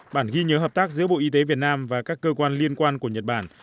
bản ghi nhớ hợp tác giữa bộ y tế việt nam và các cơ quan liên quan của nhật bản